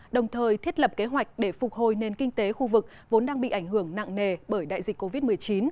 đồng thời thiết lập kế hoạch để phục hồi nền kinh tế khu vực vốn đang bị ảnh hưởng nặng nề bởi đại dịch covid một mươi chín